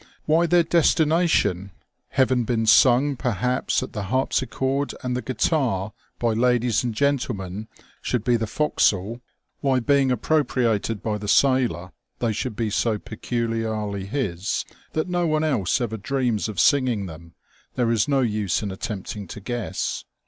Why their destination, having been sung perhaps at the harpsichord and the guitar by ladies and gentlemen, should be the forecastle; why being appropriated by the sailor they should be so peculiarly his, that no one else ever dreams of singing them, there is no use in attempting to guess.